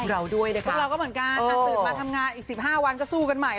เราด้วยนะคะ